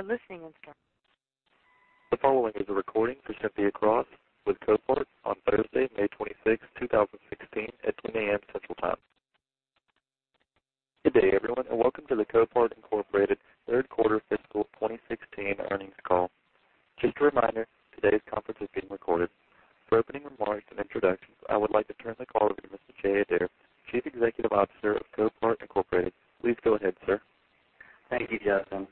Press one for listening instructions. The following is a recording for Cynthia Cross with Copart on Thursday, May 26, 2016, at 10:00 A.M. Central Time. Good day, everyone, and welcome to the Copart, Inc. third quarter fiscal 2016 earnings call. Just a reminder, today's conference is being recorded. For opening remarks and introductions, I would like to turn the call over to Mr. Jay Adair, Chief Executive Officer of Copart, Inc.. Please go ahead, sir. Thank you, Justin.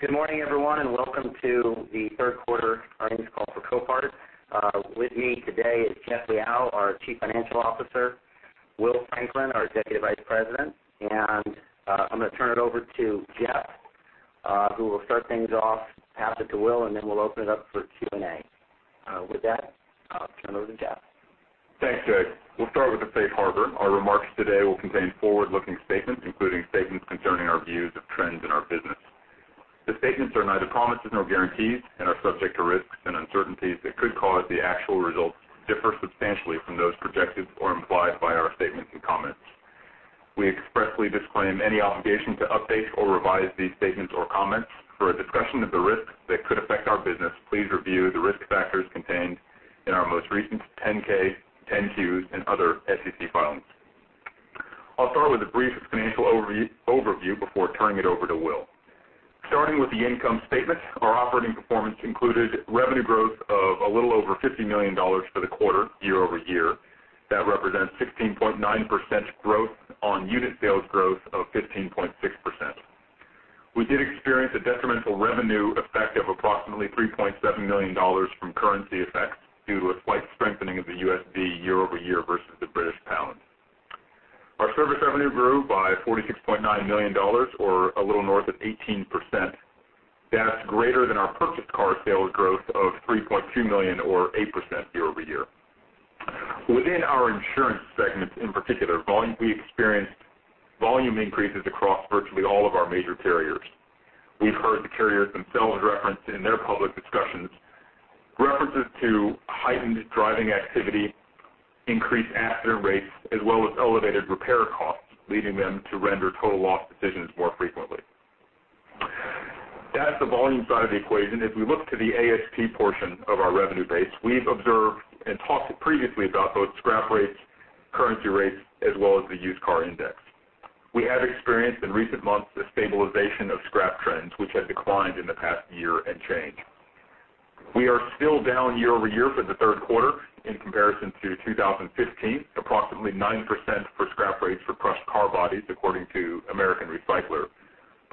Good morning, everyone, and welcome to the third quarter earnings call for Copart. With me today is Jeff Liaw, our Chief Financial Officer, Will Franklin, our Executive Vice President, and I'm going to turn it over to Jeff, who will start things off, pass it to Will, and then we'll open it up for Q&A. With that, I'll turn it over to Jeff. Thanks, Jay. We'll start with the safe harbor. Our remarks today will contain forward-looking statements, including statements concerning our views of trends in our business. The statements are neither promises nor guarantees and are subject to risks and uncertainties that could cause the actual results to differ substantially from those projected or implied by our statements and comments. We expressly disclaim any obligation to update or revise these statements or comments. For a discussion of the risks that could affect our business, please review the risk factors contained in our most recent 10-K, 10-Qs, and other SEC filings. I'll start with a brief financial overview before turning it over to Will. Starting with the income statement, our operating performance included revenue growth of a little over $50 million for the quarter year-over-year. That represents 16.9% growth on unit sales growth of 15.6%. We did experience a detrimental revenue effect of approximately $3.7 million from currency effects due to a slight strengthening of the USD year-over-year versus the GBP. Our service revenue grew by $46.9 million, or a little north of 18%. That's greater than our purchased car sales growth of $3.2 million or 8% year-over-year. Within our insurance segments, in particular, we experienced volume increases across virtually all of our major carriers. We've heard the carriers themselves reference in their public discussions, references to heightened driving activity, increased accident rates, as well as elevated repair costs, leading them to render total loss decisions more frequently. That's the volume side of the equation. If we look to the ASP portion of our revenue base, we've observed and talked previously about both scrap rates, currency rates, as well as the used car index. We have experienced in recent months a stabilization of scrap trends, which had declined in the past year and change. We are still down year-over-year for the third quarter in comparison to 2015, approximately 9% for scrap rates for crushed car bodies, according to American Recycler.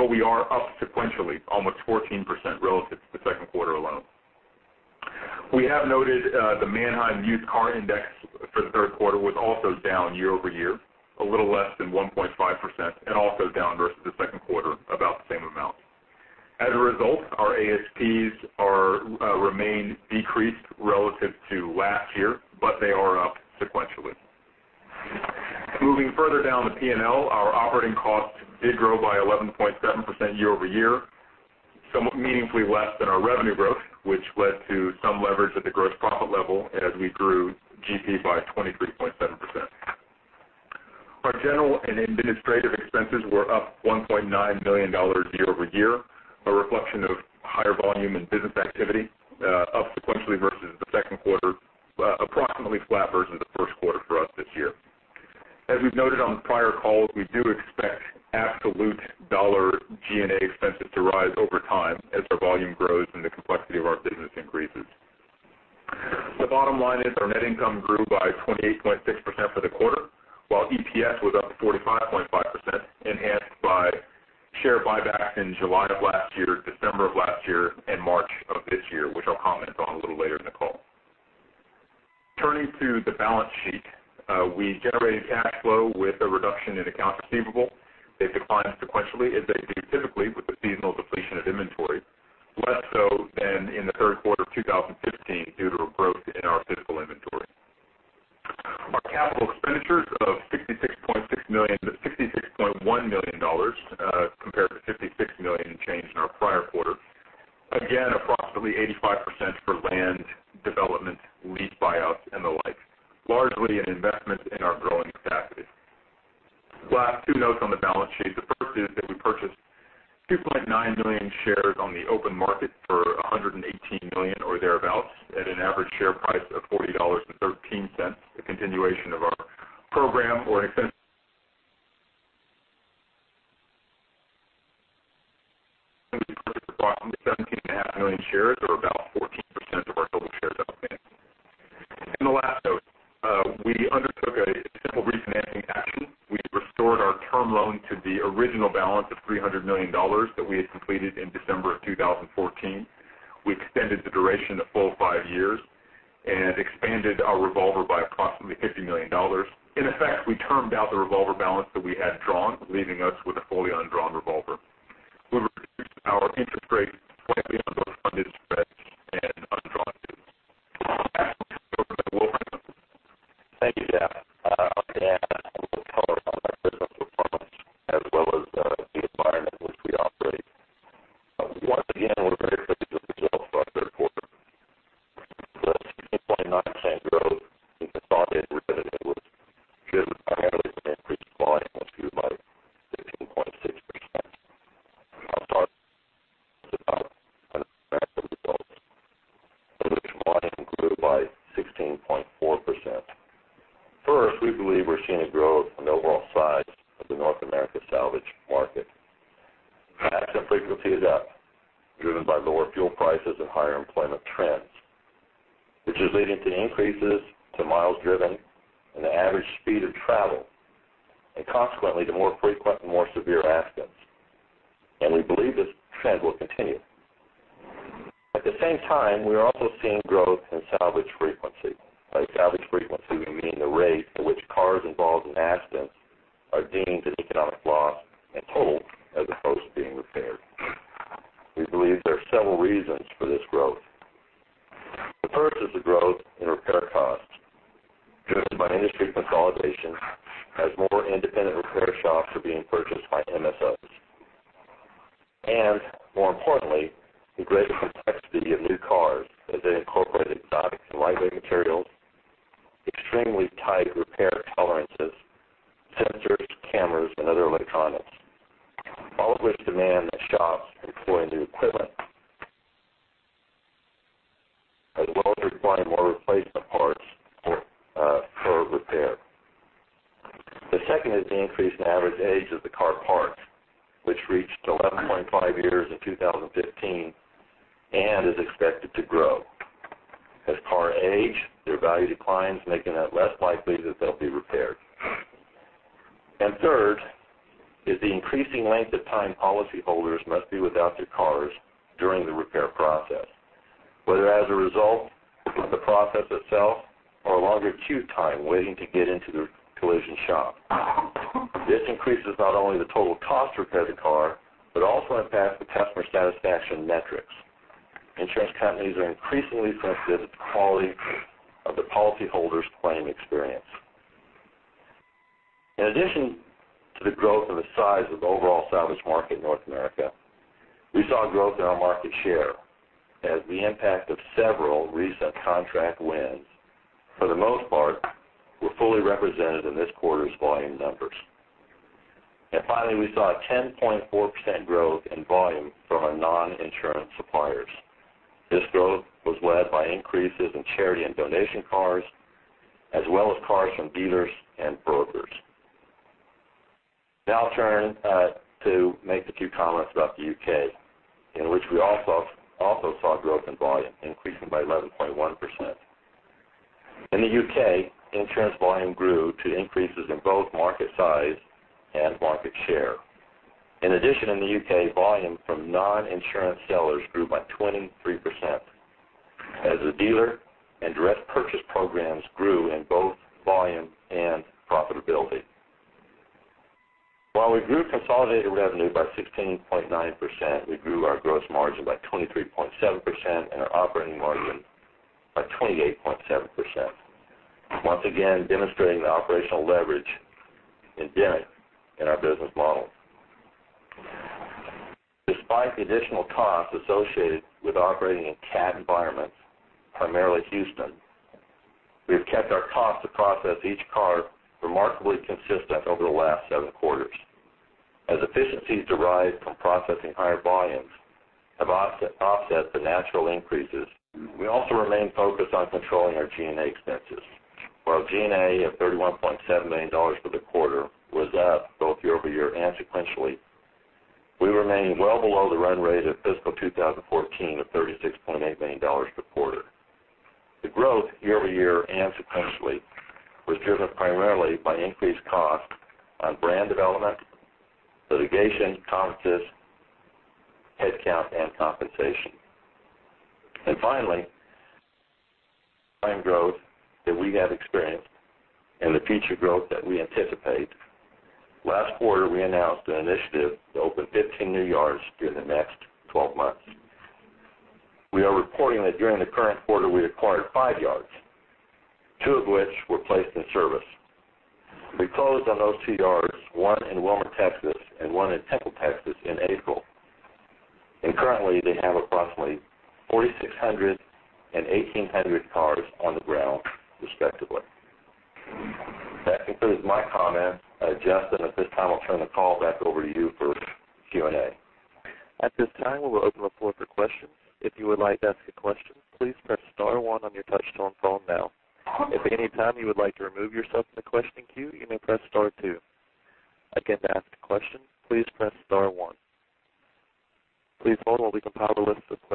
We are up sequentially, almost 14% relative to the second quarter alone. We have noted the Manheim Used Car Index for the third quarter was also down year-over-year, a little less than 1.5%, and also down versus the second quarter, about the same amount. Our ASPs remain decreased relative to last year, but they are up sequentially. Moving further down the P&L, our operating costs did grow by 11.7% year-over-year, somewhat meaningfully less than our revenue growth, which led to some leverage at the gross profit level as we grew GP by 23.7%. Our general and administrative expenses were up $1.9 million year-over-year, a reflection of higher volume and business activity, up sequentially versus the second quarter, approximately flat versus the first quarter for us this year. We've noted on prior calls, we do expect absolute dollar G&A expenses to rise over time as our volume grows and the complexity of our business increases. The bottom line is our net income grew by 28.6% for the quarter, while EPS was up 45.5%, enhanced by share buybacks in July of last year, December of last year, and March of this year, which I'll comment on a little later in the call. Turning to the balance sheet. We generated cash flow with a reduction in accounts receivable. They declined sequentially, as they do typically with the seasonal depletion of inventory, less so than in the third quarter of 2015 due to a growth in our physical inventory. Our capital expenditures of $66.6 million-$66.1 million compared to $56 million in change in our prior quarter. Approximately 85% for land development, lease buyouts, and the like, largely an investment in our growing capacity. Last two notes on the balance sheet. The first is that we purchased 2.9 million shares on the open market for $118 million or thereabouts, at an average share price of $40.13, a continuation of our program or brought to 17.5 million shares or about 14% of our total shares outstanding. The last note, we undertook a simple refinancing action. We restored our term loan to the original balance of $300 million that we had completed in December of 2014. We extended the duration a full five years and expanded our revolver by approximately $50 million. In effect, we termed out the revolver balance that we had drawn, leaving us with a fully undrawn revolver. We reduced our interest rate on both funded frequency. By salvage frequency, we mean the rate at which cars involved in accidents are deemed an economic loss and totaled as opposed to being repaired. We believe there are several reasons for this growth. The first is the growth in repair costs, driven by industry consolidation as more independent repair shops are being purchased by MSOs. More importantly, the greater complexity of new cars as they incorporate exotic and lightweight materials, extremely tight repair tolerances, sensors, cameras, and other electronics, all of which demand that shops employ new equipment, as well as require more replacement parts for repair. The second is the increase in average age of the car parc, which reached 11.5 years in 2015 and is expected to grow. As cars age, their value declines, making it less likely that they'll be repaired. Third is the increasing length of time policyholders must be without their cars during the repair process, whether as a result of the process itself or a longer queue time waiting to get into the collision shop. This increases not only the total cost to repair the car, but also impacts the customer satisfaction metrics. Insurance companies are increasingly sensitive to the quality of the policyholder's claim experience. In addition to the growth of the size of the overall salvage market in North America, we saw growth in our market share as the impact of several recent contract wins. For the most part, we're fully represented in this quarter's volume numbers. Finally, we saw a 10.4% growth in volume from our non-insurance suppliers. This growth was led by increases in charity and donation cars, as well as cars from dealers and brokers. I'll turn to make a few comments about the U.K., in which we also saw growth in volume increasing by 11.1%. In the U.K., insurance volume grew to increases in both market size and market share. In addition, in the U.K., volume from non-insurance sellers grew by 23%, as the dealer and direct purchase programs grew in both volume and profitability. While we grew consolidated revenue by 16.9%, we grew our gross margin by 23.7% and our operating margin by 28.7%, once again demonstrating the operational leverage embedded in our business model. Despite the additional costs associated with operating in CAT environments, primarily Houston, we've kept our cost to process each car remarkably consistent over the last seven quarters as efficiencies derived from processing higher volumes have offset the natural increases. We also remain focused on controlling our G&A expenses. While G&A of $31.7 million for the quarter was up both year-over-year and sequentially, we remain well below the run rate of fiscal 2014 of $36.8 million per quarter. The growth year-over-year and sequentially was driven primarily by increased costs on brand development, litigation, contests, headcount, and compensation. Finally, claim growth that we have experienced and the future growth that we anticipate. Last quarter, we announced an initiative to open 15 new yards during the next 12 months. We are reporting that during the current quarter, we acquired five yards, two of which were placed in service. We closed on those two yards, one in Wilmer, Texas, and one in Temple, Texas, in April. Currently, they have approximately 4,600 and 1,800 cars on the ground respectively. That concludes my comments. Justin, at this time, I'll turn the call back over to you for Q&A. At this time, we'll open the floor for questions. If you would like to ask a question, please press *1 on your touch-tone phone now. If at any time you would like to remove yourself from the question queue, you may press *2. Again, to ask a question, please press *1. Please hold while we compile the list of questions.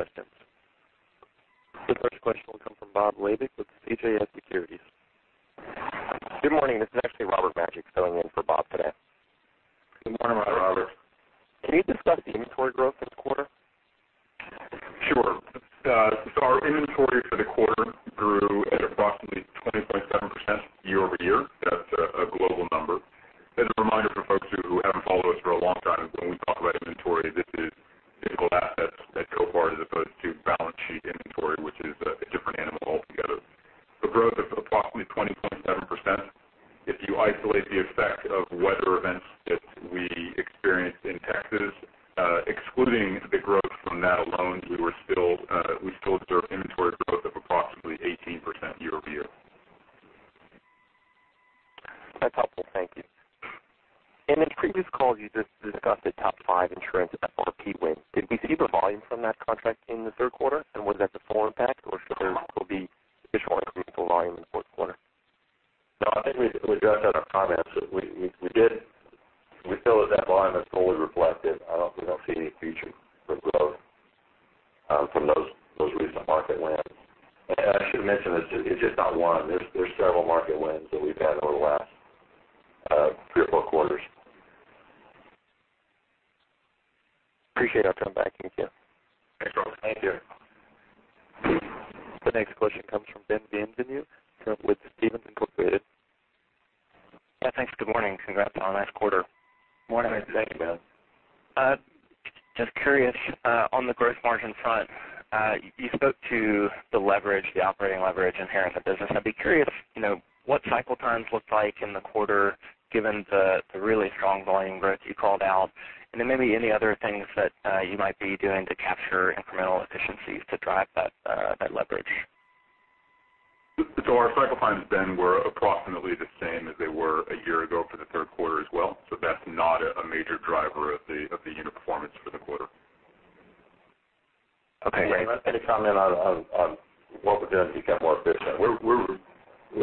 what we're doing to get more efficient. We're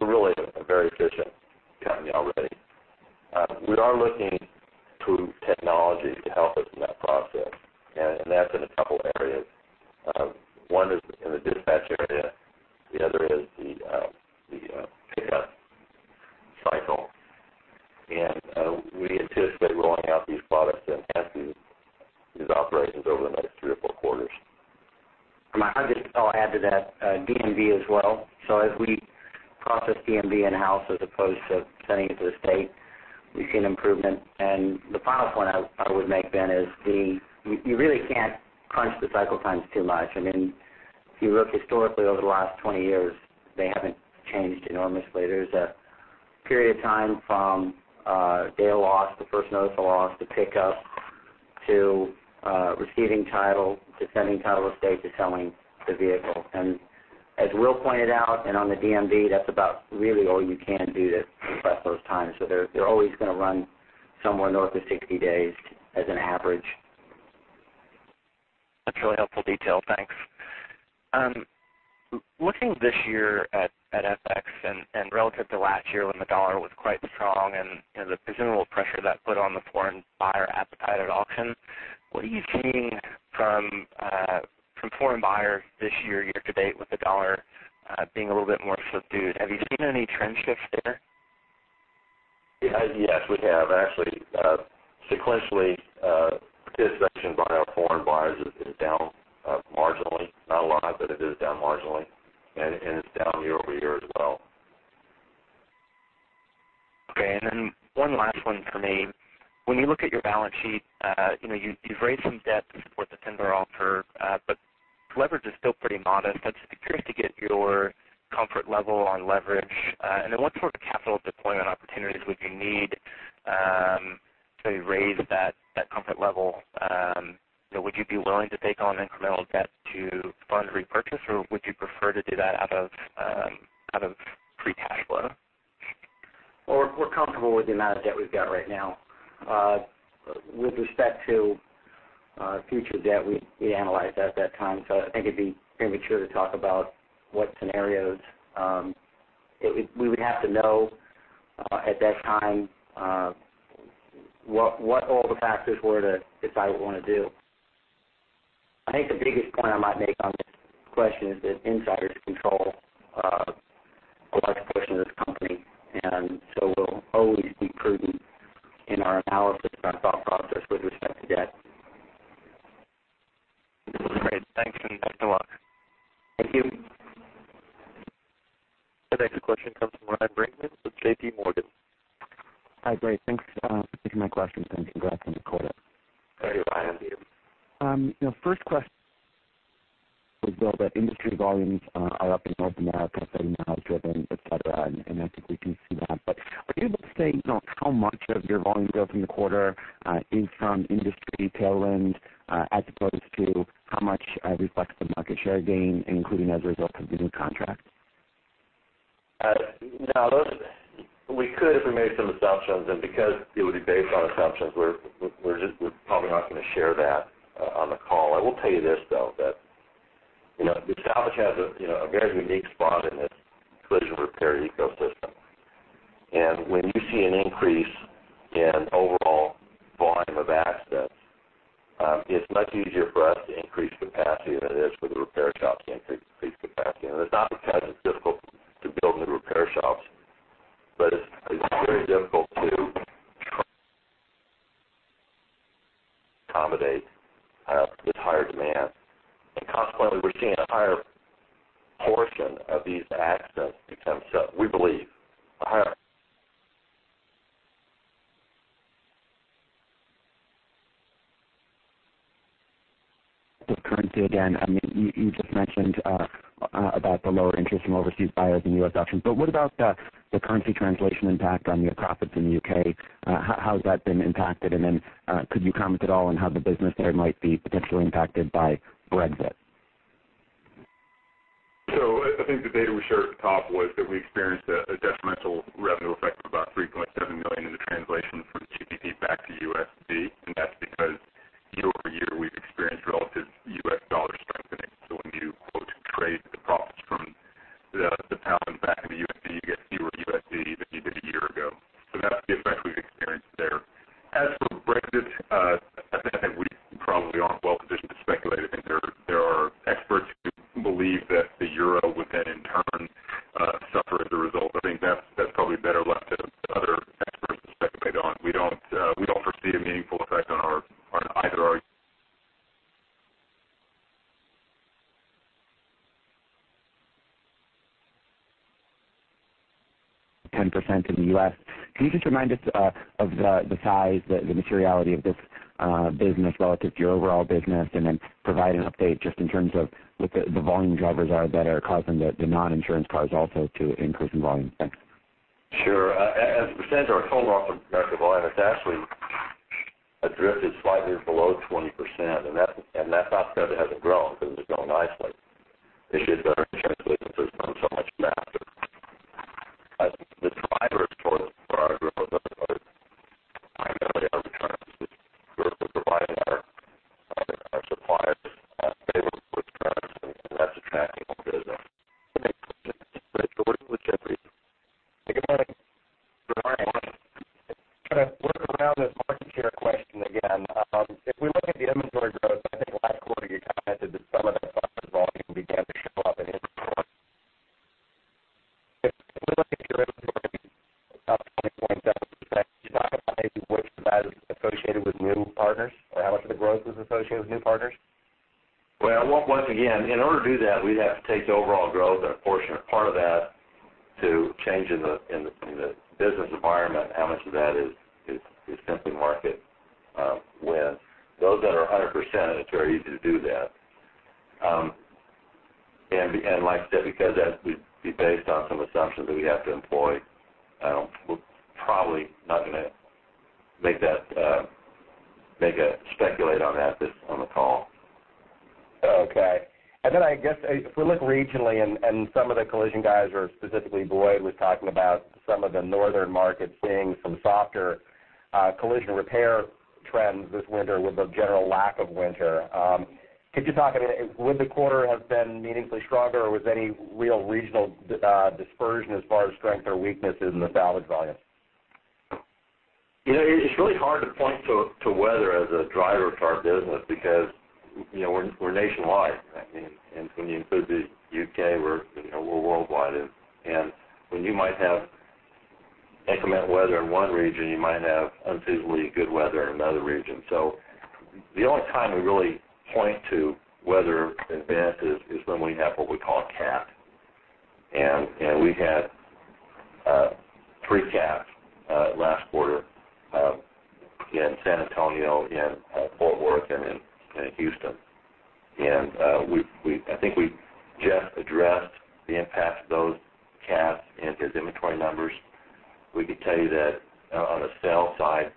really a very efficient company already. We are looking to technology to help us in that process, and that's in a couple areas. One is in the dispatch area. The other is the pickup cycle. We anticipate rolling out these products and these operations over the next three or four quarters. I'll just add to that, DMV as well. As we process DMV in-house as opposed to sending it to the state, we've seen improvement. The final point I would make then is, you really can't crunch the cycle times too much. If you look historically over the last 20 years, they haven't changed enormously. There's a period of time from day of loss, the first notice of loss, to pick up, to receiving title, to sending title to state, to selling the vehicle. As Will pointed out, and on the DMV, that's about really all you can do to compress those times. They're always going to run somewhere north of 60 days as an average. That's really helpful detail. Thanks. Looking this year at FX and relative to last year when the dollar was quite strong and the considerable pressure that put on the foreign buyer appetite at auction, what are you seeing from foreign buyers this year-to-date with the dollar being a little bit more subdued? Have you seen any trend shifts there? Yes, we have. Actually, sequentially, participation by our foreign buyers is down marginally. Not a lot, but it is down marginally. It's down year-over-year as well. Okay, one last one for me. When you look at your balance sheet, you've raised some debt to support the tender offer, leverage is still pretty modest. I'd just be curious to get your comfort level on leverage. What sort of capital deployment opportunities would you need to raise that comfort level? Would you be willing to take on incremental debt to fund repurchase, or would you prefer to do that out of free cash flow? Well, we're comfortable with the amount of debt we've got right now. With respect to future debt, we analyze that at that time. I think it'd be premature to talk about what scenarios. We would have to know at that time what all the factors were to decide what we want to do. I think the biggest point I might make on this question is that insiders control a large portion of this company, we'll always be prudent in our analysis and our thought process with respect to debt. Great. Thanks and best of luck. Thank you. The next question comes from Ryan Brinkman with JPMorgan. Hi, great. Thanks for taking my questions and congrats on the quarter. Thank you, Ryan. First question, we know that industry volumes are up in North America, semi-driven, et cetera, and I think we can see that. Are you able to say how much of your volume growth in the quarter is from industry tailwinds, as opposed to how much reflects the market share gain, including as a result of the new contract? We could if we made some assumptions, because it would be based on assumptions, we're probably not going to share that on the call. I will tell you this, though, that salvage has a very unique spot in this collision repair ecosystem. When you see an increase in overall volume of accidents, it's much easier for us to increase capacity than it is for the repair shops to increase capacity. It's not because it's difficult to build new repair shops, but it's very difficult to accommodate this higher demand. Consequently, we're seeing a higher portion of these accidents become, we believe, a higher- With currency again, you just mentioned about the lower interest from overseas buyers and U.S. auctions, what about the currency translation impact on your profits in the U.K.? How has that been impacted? Then could you comment at all on how the business there might be potentially impacted by Brexit? I think the data we shared at the top was that we experienced a detrimental revenue effect of about $3.7 million in the translation from GBP back to USD. That's because year-over-year, we've experienced relative U.S. dollar strengthening. When you quote trade the profits from the GBP back into USD, you get fewer USD than you did a year ago. That's the effect we've experienced there. As for Brexit, I think we probably aren't well positioned to speculate. I think there are experts who believe that the euro would then in turn suffer as a result. I think that's probably better left to other experts to speculate on. We don't foresee a meaningful effect on either our- 10% in the U.S. Can you just remind us of the size, the materiality of this business relative to your overall business, then provide an update just in terms of what the volume drivers are that are causing the non-insurance cars also to increase in volume? Thanks. Sure. As a percent of our total automotive volume, it's actually drifted slightly below 20%. That's not because it hasn't grown, because it's grown nicely. It's just that our insurance business has grown so much faster. I think the drivers for our speculate on that on the call. Okay. Then I guess if we look regionally and some of the collision guys, or specifically Boyd, was talking about some of the northern markets seeing some softer collision repair trends this winter with the general lack of winter. Could you talk, would the quarter have been meaningfully stronger, or was any real regional dispersion as far as strength or weaknesses in the salvage volume? It's really hard to point to weather as a driver of our business because we're nationwide. When you include the U.K., we're worldwide. When you might have inclement weather in one region, you might have unseasonably good weather in another region. The only time we really point to weather events is when we have what we call a CAT. We had three CATs last quarter in San Antonio, in Fort Worth, and in Houston. I think we just addressed the impact of those CATs into the inventory numbers. We could tell you that on a sale side,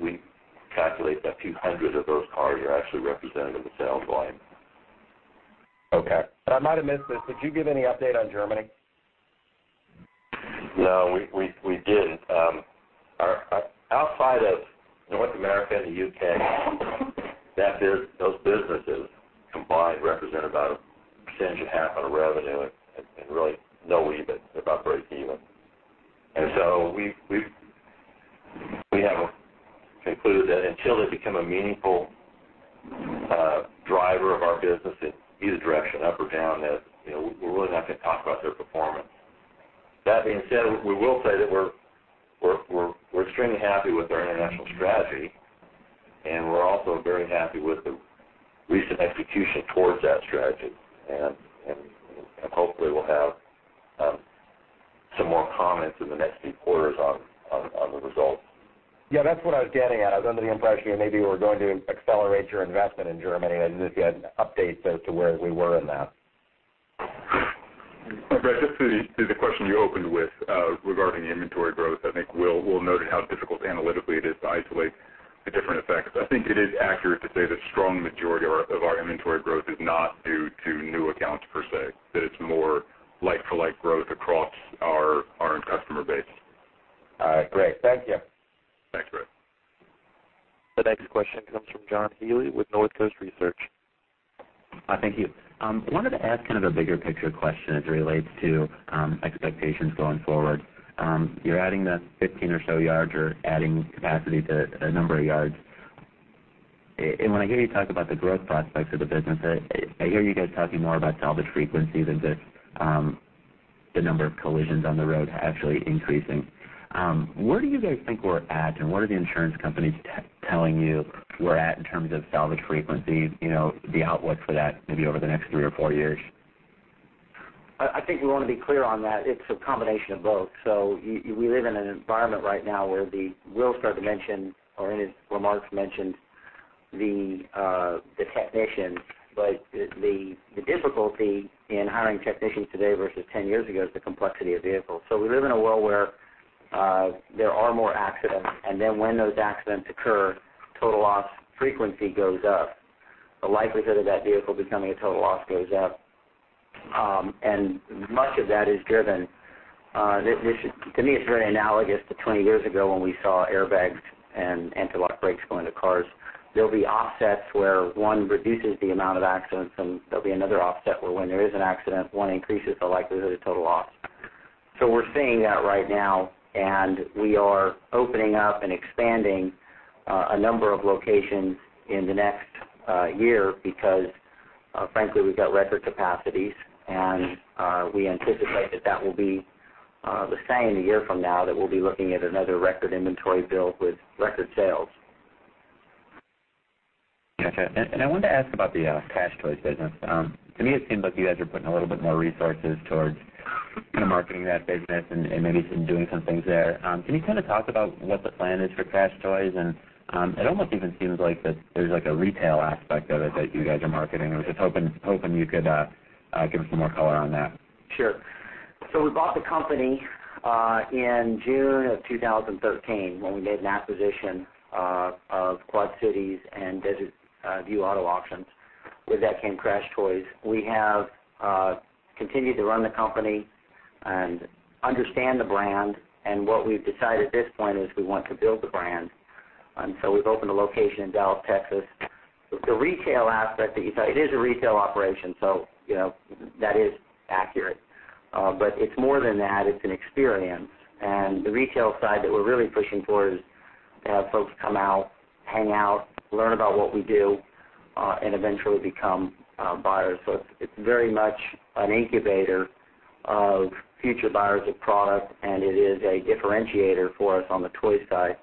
we calculate a few hundred of those cars are actually represented in the sales volume. Okay. I might have missed this. Did you give any update on Germany? No, we didn't. Outside of North America and the U.K., those businesses combined represent about a percentage and a half on our revenue, and really no ebb. It's about break even. So we have concluded that until they become a meaningful driver of our business in either direction, up or down, that we're really not going to talk about their performance. That being said, we will say that we're extremely happy with our international strategy, and we're also very happy with the recent execution towards that strategy. Hopefully we'll have some more comments in the next few quarters on the results. Yeah, that's what I was getting at. I was under the impression maybe you were going to accelerate your investment in Germany, and if you had an update as to where we were in that. Bret, just to the question you opened with regarding the inventory growth, I think we'll note how difficult analytically it is to isolate the different effects. I think it is accurate to say the strong majority of our inventory growth is not due to new accounts per se, that it's more like for like growth across our customer base. All right, great. Thank you. Thanks, Bret. The next question comes from John Healy with Northcoast Research. Thank you. I wanted to ask kind of a bigger picture question as it relates to expectations going forward. You're adding the 15 or so yards. You're adding capacity to a number of yards. When I hear you talk about the growth prospects of the business, I hear you guys talking more about salvage frequency than the number of collisions on the road actually increasing. Where do you guys think we're at, and what are the insurance companies telling you we're at in terms of salvage frequency, the outlook for that maybe over the next three or four years? I think we want to be clear on that. It's a combination of both. We live in an environment right now where Will, in his remarks, mentioned the technicians. The difficulty in hiring technicians today versus 10 years ago is the complexity of vehicles. We live in a world where there are more accidents, when those accidents occur, total loss frequency goes up. The likelihood of that vehicle becoming a total loss goes up. Much of that is driven to me, it's very analogous to 20 years ago when we saw airbags and anti-lock brakes go into cars. There'll be offsets where one reduces the amount of accidents, and there'll be another offset where when there is an accident, one increases the likelihood of total loss. We're seeing that right now, we are opening up and expanding a number of locations in the next year because, frankly, we've got record capacities, we anticipate that that will be the same a year from now, that we'll be looking at another record inventory build with record sales. Okay. I wanted to ask about the CrashedToys business. To me, it seems like you guys are putting a little bit more resources towards kind of marketing that business and maybe doing some things there. Can you talk about what the plan is for CrashedToys? It almost even seems like there's a retail aspect of it that you guys are marketing. I was just hoping you could give some more color on that. Sure. We bought the company in June of 2013 when we made an acquisition of Quad Cities and Desert View Auto Auctions. With that came CrashedToys. We have continued to run the company and understand the brand. What we've decided at this point is we want to build the brand. We've opened a location in Dallas, Texas. The retail aspect that you saw, it is a retail operation, so that is accurate. It's more than that, it's an experience. The retail side that we're really pushing towards to have folks come out, hang out, learn about what we do, and eventually become buyers. It's very much an incubator of future buyers of product, and it is a differentiator for us on the toys side.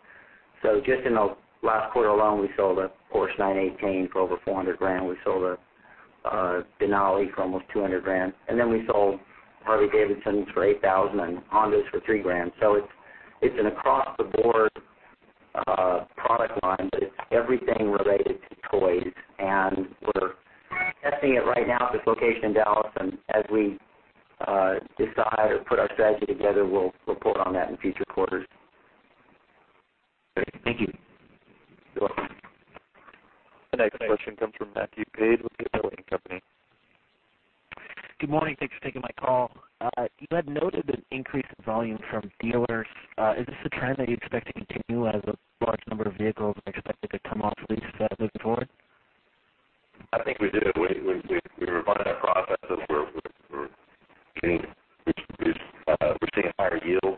Just in the last quarter alone, we sold a Porsche 918 for over $400,000. We sold a Denali for almost $200,000. We sold Harley-Davidsons for $8,000 and Hondas for $3,000. It's an across-the-board product line, but it's everything related to toys. We're testing it right now at this location in Dallas, and as we decide or put our strategy together, we'll report on that in future quarters. Great. Thank you. You're welcome. The next question comes from Matthew Page with The EverBank Company. Good morning. Thanks for taking my call. You had noted an increase in volume from dealers. Is this a trend that you expect to continue as a large number of vehicles are expected to come off lease moving forward? I think we do. We refined that process as we're seeing higher yields.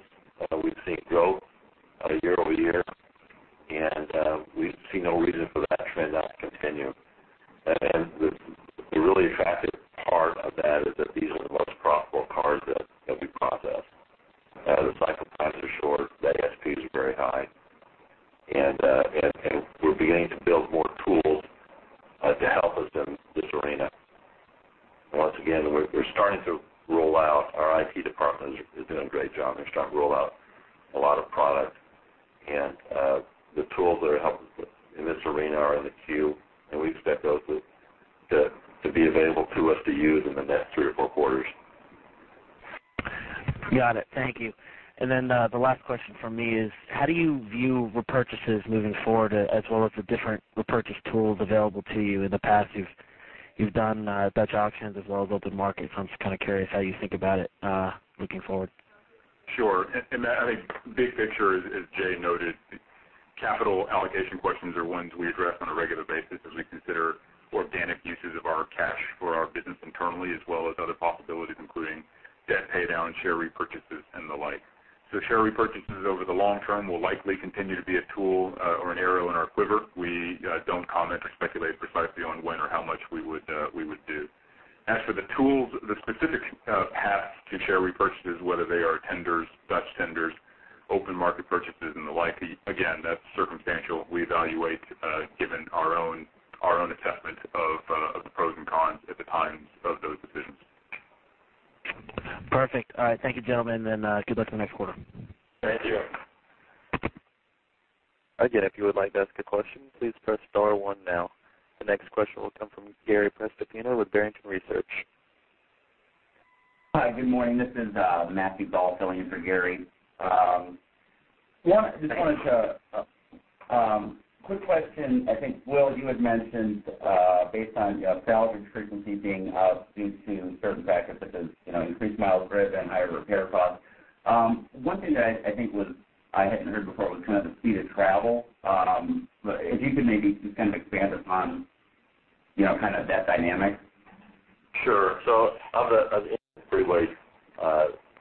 Share repurchases over the long term will likely continue to be a tool or an arrow in our quiver. We don't comment or speculate precisely on when or how much we would do. As for the tools, the specific paths to share repurchases, whether they are tenders, Dutch tenders, open market purchases, and the like, again, that's circumstantial. We evaluate given our own assessment of the pros and cons at the times of those decisions. Perfect. All right. Thank you, gentlemen, good luck on the next quarter. Thank you. If you would like to ask a question, please press star one now. The next question will come from Gary Prestopino with Barrington Research. Hi, good morning. This is Matthew Ball filling in for Gary. Quick question. I think, Will, you had mentioned, based on salvage frequency being up due to certain factors such as increased miles driven, higher repair costs. One thing that I think I hadn't heard before was kind of the speed of travel. If you could maybe just kind of expand upon that dynamic. Sure. Of the freeway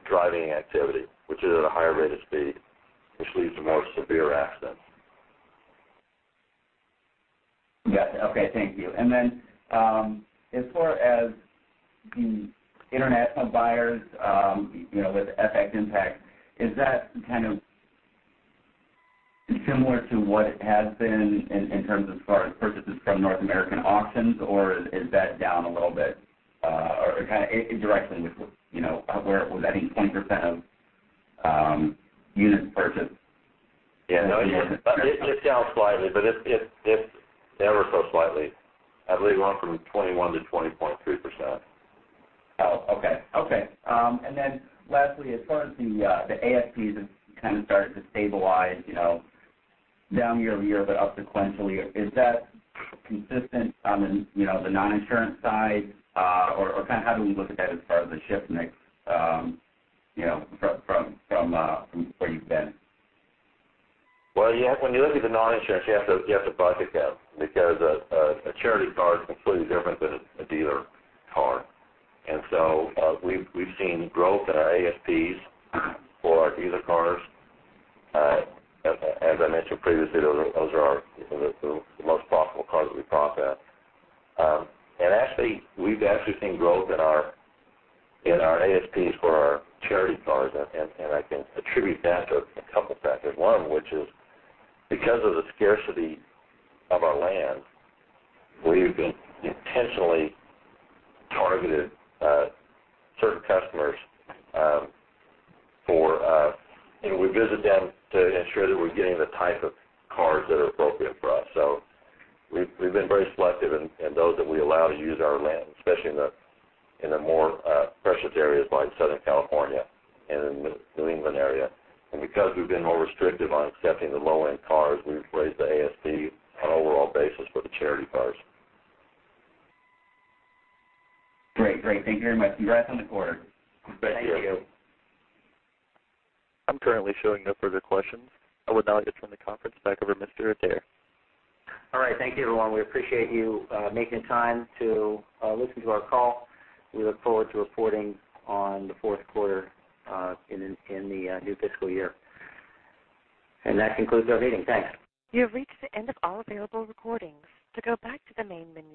driving activity, which is at a higher rate of speed, which leads to more severe accidents. Got it. Okay. Thank you. As far as the international buyers, with FX impact, is that kind of- Similar to what has been in terms as far as purchases from North American auctions, or is that down a little bit? Indirectly with where it was, I think 20% of units purchased. Yeah. No, it's down slightly, but it's ever so slightly. I believe it went from 21 to 20.3%. Oh, okay. Then lastly, as far as the ASPs have kind of started to stabilize, down year-over-year, but up sequentially, is that consistent on the non-insurance side? How do we look at that as part of the shift mix from where you've been? Well, when you look at the non-insurance, you have to bucket that because a charity car is completely different than a dealer car. We've seen growth in our ASPs for our dealer cars. As I mentioned previously, those are the most profitable cars that we process. Actually, we've actually seen growth in our ASPs for our charity cars, and I can attribute that to a couple factors. One of which is because of the scarcity of our land, we've been intentionally targeted certain customers. We visit them to ensure that we're getting the type of cars that are appropriate for us. We've been very selective in those that we allow to use our land, especially in the more pressured areas like Southern California and in the New England area. Because we've been more restrictive on accepting the low-end cars, we've raised the ASP on an overall basis for the charity cars. Great. Thank you very much. Congrats on the quarter. Thank you. I'm currently showing no further questions. I would now like to turn the conference back over to Mr. Adair. All right. Thank you, everyone. We appreciate you making time to listen to our call. We look forward to reporting on the fourth quarter in the new fiscal year. That concludes our meeting. Thanks. You've reached the end of all available recordings. To go back to the main menu